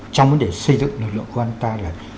trong vấn đề xây dựng lực lượng công an của chúng ta